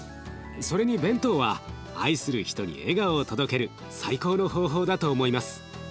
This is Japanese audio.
それに弁当は愛する人に笑顔を届ける最高の方法だと思います。